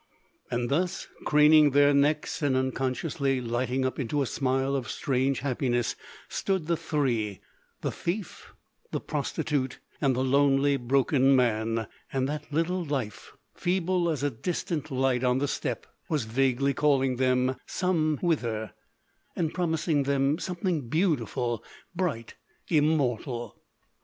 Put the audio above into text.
And thus, craning their necks, and unconsciously lighting up into a smile of strange happiness, stood the three, the thief, the prostitute, and the lonely broken man, and that little life, feeble as a distant light on the steppe, was vaguely calling them somewhither, and promising them something beautiful, bright, immortal.